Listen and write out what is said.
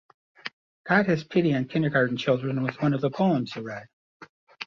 "God has pity on kindergarten children" was one of the poems he read.